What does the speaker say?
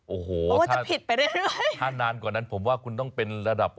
โอ้โฮถ้านานกว่านั้นผมว่าคุณต้องเป็นระดับ